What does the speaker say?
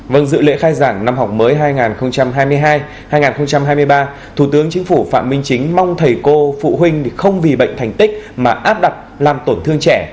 vâng dự lễ khai giảng năm học mới hai nghìn hai mươi hai hai nghìn hai mươi ba thủ tướng chính phủ phạm minh chính mong thầy cô phụ huynh không vì bệnh thành tích mà áp đặt làm tổn thương trẻ